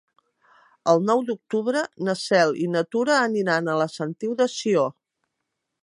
El nou d'octubre na Cel i na Tura aniran a la Sentiu de Sió.